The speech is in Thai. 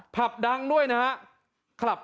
ผับดังด้วยนะครับ